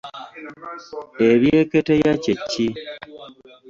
Ebyeketeya kye ki?